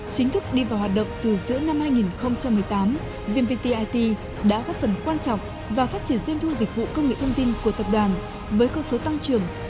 chính thức đi vào hoạt động từ giữa năm hai nghìn một mươi tám vmpt it đã góp phần quan trọng và phát triển doanh thu dịch vụ công nghệ thông tin của tập đoàn với cơ số tăng trưởng